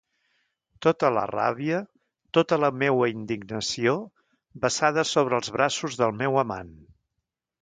Tota la ràbia, tota la meua indignació, vessada sobre els braços del meu amant.